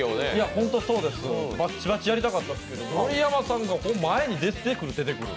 ホントそうです、バッチバチやりたかったんですけど盛山さんが前に出てくる、出てくる